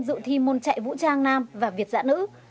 dự thi môn chạy vũ trang nam và việt giã nữ